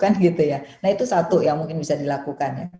nah itu satu yang mungkin bisa dilakukan ya